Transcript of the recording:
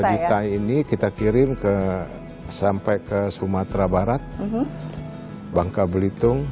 lima juta ini kita kirim sampai ke sumatera barat bangka belitung